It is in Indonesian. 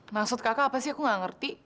maksud kakak apa sih aku gak ngerti